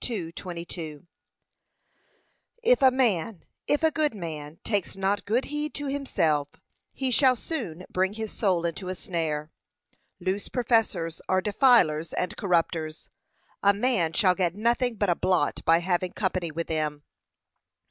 2:22) If a man, if a good man takes not good heed to himself, he shall soon bring his soul into a snare. Loose professors are defilers and corrupters; a man shall get nothing but a blot by having company with them.